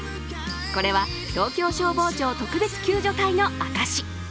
これは東京消防庁特別救助隊の証し。